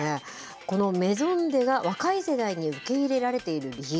このＭＡＩＳＯＮｄｅｓが若い世代に受け入れられている理由。